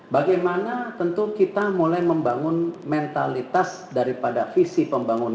bagaimana tentu kita mulai membangun mentalitas daripada visi pembangunan